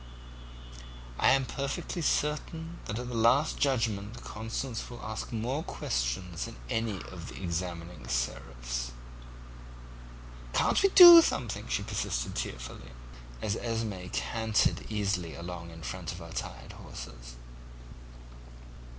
"I am perfectly certain that at the Last Judgment Constance will ask more questions than any of the examining Seraphs. "'Can't we do something?' she persisted tearfully, as Esmé cantered easily along in front of our tired horses.